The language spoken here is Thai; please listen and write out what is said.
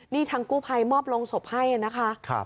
นี่ทางกู้ภัยมอบลงศพให้นะคะ